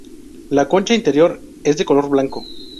La concha interior es de color blanco.